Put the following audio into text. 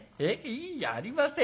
いいじゃありませんか。